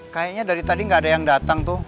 kayaknya dari tadi nggak ada yang datang tuh